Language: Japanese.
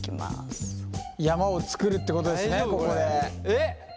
えっ。